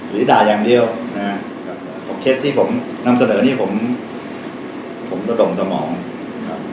ด่าอย่างเดียวนะครับผมเคสที่ผมนำเสนอนี่ผมผมระดมสมองครับ